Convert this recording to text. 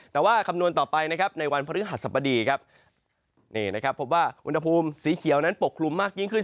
แต่ว่าคำนวณต่อไปนะครับในวันพฤหัสสบดีครับนี่นะครับพบว่าอุณหภูมิสีเขียวนั้นปกคลุมมากยิ่งขึ้น